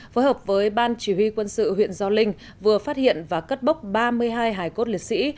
phối hợp với ban chỉ huy quân sự huyện gio linh vừa phát hiện và cất bốc ba mươi hai hải cốt liệt sĩ